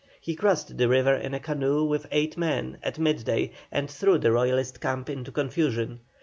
He crossed the river in a canoe with eight men, at midday, and threw the Royalist camp into confusion.